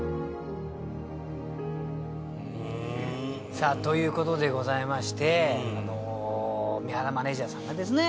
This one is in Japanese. さあという事でございまして三原マネージャーさんがですね